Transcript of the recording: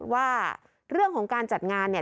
ว่าเรื่องของการจัดงานเนี่ย